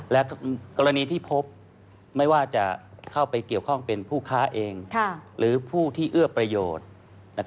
และกรณีที่พบไม่ว่าจะเข้าไปเกี่ยวข้องเป็นผู้ค้าเองหรือผู้ที่เอื้อประโยชน์